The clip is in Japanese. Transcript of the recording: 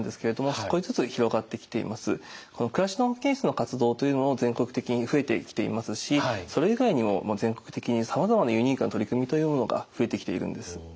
この「暮らしの保健室」の活動というのも全国的に増えてきていますしそれ以外にも全国的にさまざまなユニークな取り組みというものが増えてきているんです。